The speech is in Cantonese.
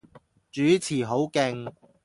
主持好勁